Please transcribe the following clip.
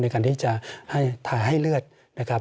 ในการที่จะให้ทาให้เลือดนะครับ